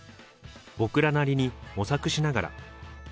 僕らなりに模索しながら。